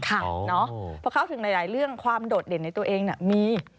เพราะเข้าถึงหลายเรื่องความโดดเด่นในตัวเองมี